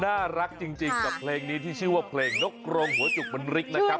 น่ารักจริงกับเพลงนี้ที่ชื่อว่าเพลงนกกรงหัวจุกบรรริกนะครับ